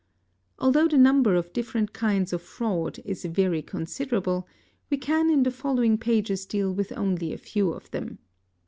Although the number of different kinds of fraud is very considerable, we can in the following pages deal with only a few of them.